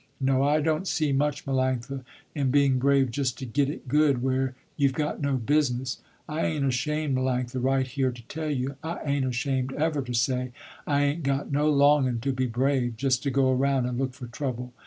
No I don't see much, Melanctha, in being brave just to get it good, where you've got no business. I ain't ashamed Melanctha, right here to tell you, I ain't ashamed ever to say I ain't got no longing to be brave, just to go around and look for trouble."